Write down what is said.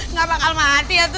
nggak bakal mati ya tuh